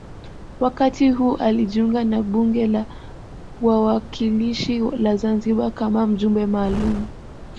Wakati huo alijiunga na bunge la wawakilishi la Zanzibar kama mjumbe maalum